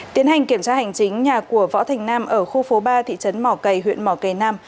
tiến hành kiểm tra hành chính nhà của võ thành nam ở khu phố ba thị trấn mỏ cầy huyện mỏ cầy nam